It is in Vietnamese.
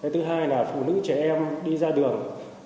thứ hai là phụ nữ trẻ em đi ra đường